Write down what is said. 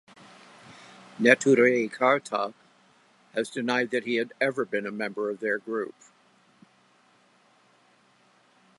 Neturei Karta has denied that he had ever been a member of their group.